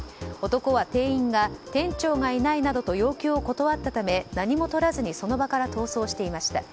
男は、店員が店長がいないなどと要求を断ったため何も取らずにその場から逃走していました。